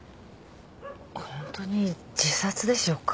ホントに自殺でしょうか。